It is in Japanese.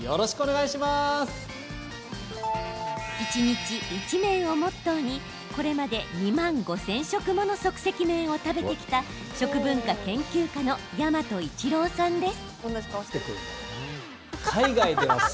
一日一麺をモットーにこれまで２万５０００食もの即席麺を食べてきた食文化研究家の大和イチロウさんです。